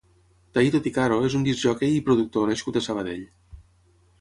Taito Tikaro és un discjòquei i productor nascut a Sabadell.